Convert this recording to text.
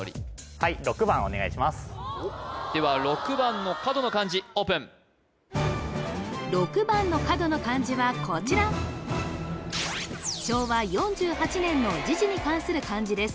はいでは６番の角の漢字オープン６番の角の漢字はこちら昭和４８年の時事に関する漢字です